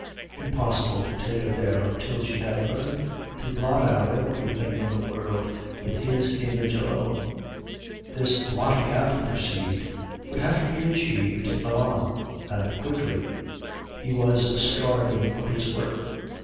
Impossible to take her there until she had learned to blot out everything in the world with his image alone. This blotting out, he perceived, would have to be achieved in Milan, and quickly. He was starving for his work.